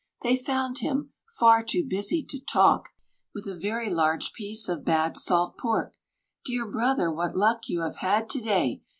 They found him, far too busy to talk, With a very large piece of bad salt pork. "Dear Brother, what luck you have had to day!